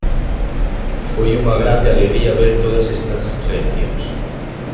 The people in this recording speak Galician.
Foi unha grande alegría ver todas estas reaccións.